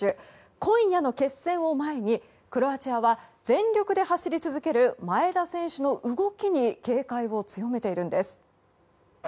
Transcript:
今夜の決戦を前に、クロアチアは全力で走り続ける前田選手の動きに警戒を強めているんです。